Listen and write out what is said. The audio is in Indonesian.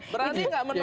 berani gak menolak